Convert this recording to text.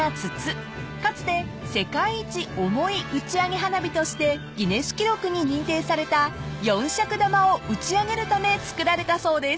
かつて世界一重い打ち上げ花火としてギネス記録に認定された四尺玉を打ち上げるため造られたそうです］